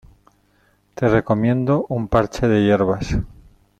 Te recomiendo un parche de hierbas.